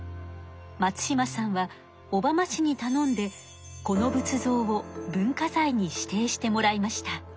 松島さんは小浜市にたのんでこの仏像を文化財に指定してもらいました。